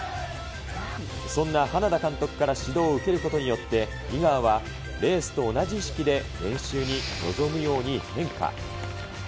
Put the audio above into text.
そんな花田監督から指導を受けることによって、井川はレースと同じ意識で練習に臨むように変化。